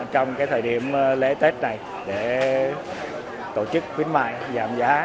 trong thời điểm lễ tết này để tổ chức khuyến mại giảm giá